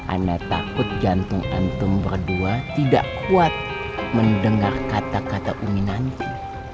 anak takut jantung antum berdua tidak kuat mendengar kata kata umi nanti